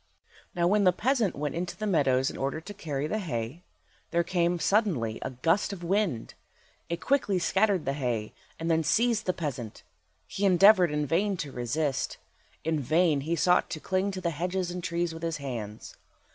Now when the peasant went into the meadows in order to carry the hay, there came suddenly a gust of wind. It quickly scattered the hay, and then seized the peasant. He endeavoured in vain to resist; in vain he sought to cling to the hedges and trees with his hands.